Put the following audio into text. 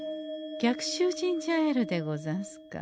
「逆襲ジンジャーエール」でござんすか。